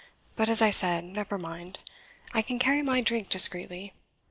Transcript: But, as I said, never mind; I can carry my drink discreetly.